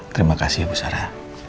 terima kasih bu sara